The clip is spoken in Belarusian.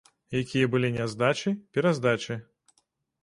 Якія былі няздачы, пераздачы.